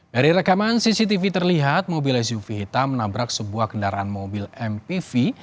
dari rekaman cctv terlihat mobil suv hitam menabrak sebuah kendaraan mobil mpv